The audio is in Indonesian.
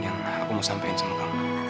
yang aku mau sampaikan semua kamu